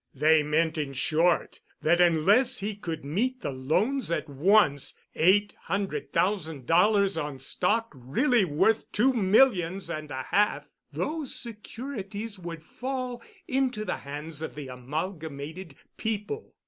They meant, in short, that unless he could meet the loans at once—eight hundred thousand dollars on stock really worth two millions and a half—those securities would fall into the hands of the Amalgamated people.